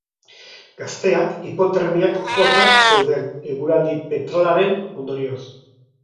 Gazteak hipotermiak jota zeuden, eguraldi petralaren ondorioz.